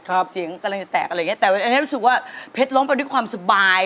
เสียงกำลังจะแตกอะไรอย่างเงี้แต่อันนี้รู้สึกว่าเพชรล้มไปด้วยความสบาย